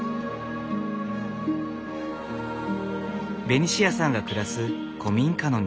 ベニシアさんが暮らす古民家の庭。